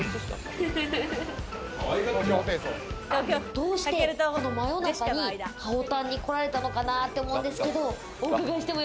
どうして、この真夜中にかおたんに来られたのかなと思うんですけど。